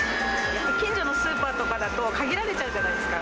近所のスーパーとかだと、限られちゃうじゃないですか。